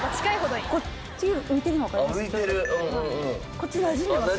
こっちなじんでますよね。